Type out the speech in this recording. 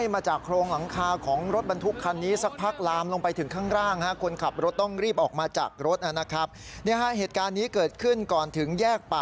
มองมองทาง